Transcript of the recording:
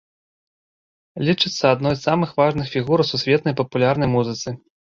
Лічыцца адной з самых важных фігур у сусветнай папулярнай музыцы.